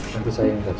nanti saya yang kasih